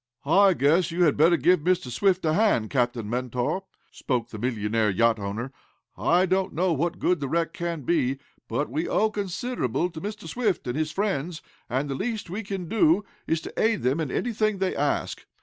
"I guess you had better give Mr. Swift a hand, Captain Mentor," spoke the millionaire yacht owner. "I don't know what good the wreck can be, but we owe considerable to Mr. Swift and his friends, and the least we can do is to aid them in anything they ask.